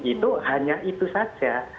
itu hanya itu saja